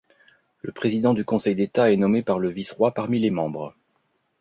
Le président du Conseil d'État est nommé par le vice-roi parmi les membres.